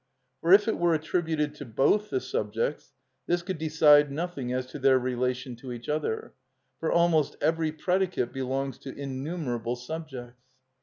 For if it were attributed to both the subjects this could decide nothing as to their relation to each other, for almost every predicate belongs to innumerable subjects.